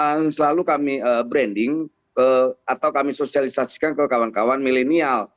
yang selalu kami branding atau kami sosialisasikan ke kawan kawan milenial